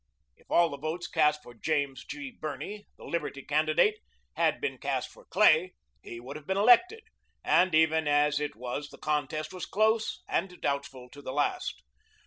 If all the votes cast for James G. Birney, the "Liberty" candidate, had been cast for Clay, he would have been elected, and even as it was the contest was close and doubtful to the last.